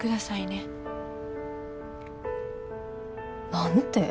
何て？